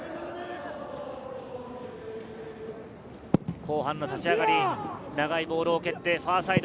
後半立ち上がり、長いボールを蹴ってファーサイド。